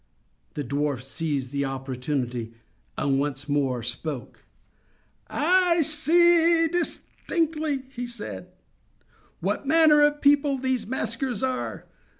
The dwarf seized his opportunity, and once more spoke: "I now see distinctly," he said, "what manner of people these maskers are.